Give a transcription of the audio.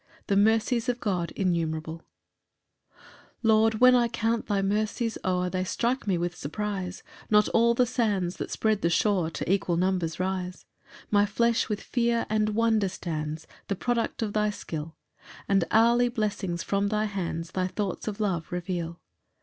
C. M. The mercies of God innumerable. An evening psalm. 1 Lord, when I count thy mercies o'er, They strike me with surprise; Not all the sands that spread the shore To equal numbers rise. 2 My flesh with fear and wonder stands, The product of thy skill, And hourly blessings from thy hands, Thy thoughts of love reveal.